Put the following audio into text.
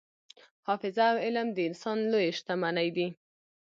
حافظه او علم د انسان لویې شتمنۍ دي.